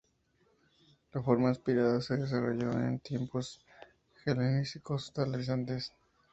La forma aspirada se desarrolló en en tiempos helenísticos, tal vez antes.